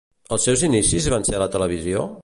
Els seus inicis van ser a la televisió?